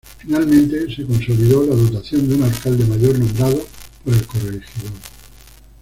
Finalmente, se consolidó la dotación de un alcalde mayor nombrado por el corregidor.